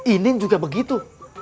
inin juga begitu